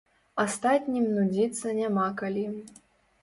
Астатнім нудзіцца няма калі.